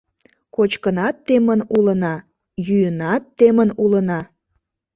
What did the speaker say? Кочкынат темын улына, йӱынат темын улына